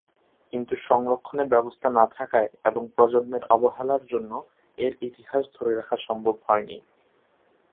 কিন্তু সংরক্ষণের ব্যবস্থা না থাকায় এবং প্রজন্মের অবহেলার জন্য এর ইতিহাস ধরে রাখা সম্ভব হয়নি।